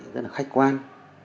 rất là khách quan